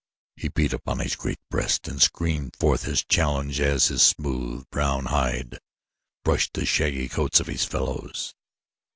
He beat upon his great breast and screamed forth his challenge as his smooth, brown hide brushed the shaggy coats of his fellows.